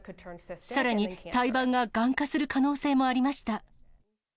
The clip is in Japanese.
さらに胎盤ががん化する可能性もありました。